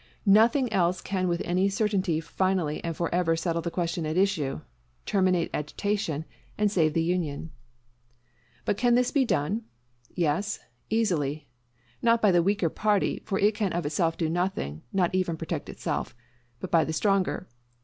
Nothing else can with any certainty finally and forever settle the questions at issue, terminate agitation, and save the Union. But can this be done? Yes, easily; not by the weaker party for it can of itself do nothing, not even protect itself but by the stronger.